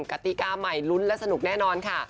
กติกาใหม่ลุ้นและสนุกแน่นอนค่ะ